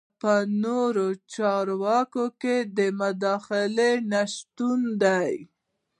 دا په نورو چارو کې د مداخلې نشتون دی.